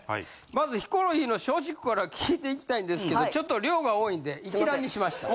まずヒコロヒーの松竹から聞いていきたいんですけどちょっと量が多いんで一覧にしました。